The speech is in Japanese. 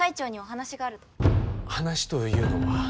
話というのは？